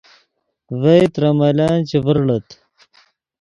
ڤئے ترے ملن چے ڤرڑیت